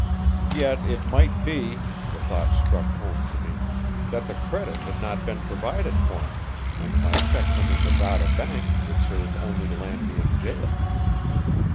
Yet it might be the thought struck home to me that the credit had not been provided for me, and my checks on the Nevada Bank would serve only to land me in jail.